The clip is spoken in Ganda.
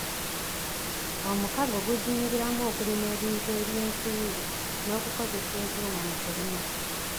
Omukago guzingiramu okulima ebintu ebyensimbi n'okukozesa ebyuma mu kulima.